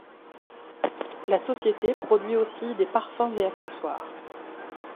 La société produit aussi des parfums et accessoires.